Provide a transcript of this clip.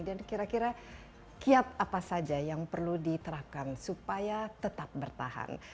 dan kira kira kiat apa saja yang perlu diterapkan supaya tetap bertahan